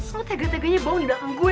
lo tega teganya bong di belakang gue